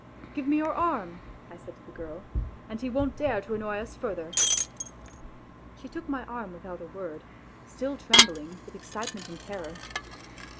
" .Give me your arm," I said to the girl. " And he won't dare to annoy us further." She took my arm without a word, still trembling with excite ment and terror.